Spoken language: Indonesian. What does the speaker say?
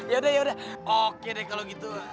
yaudah yaudah oke deh kalau gitu